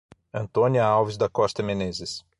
Antônia Alves da Costa Menezes